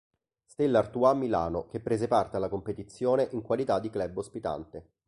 Stella Artois Milano, che prese parte alla competizione in qualità di club ospitante.